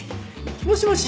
もしもし。